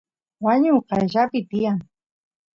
wañu qayllapi tiyan